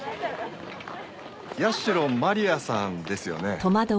社マリアさんですよね？